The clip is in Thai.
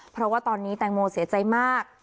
เพราะว่าตอนนี้แตงโมเสียใจมาก